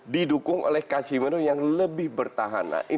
didukung oleh kasimenu yang lebih bertahan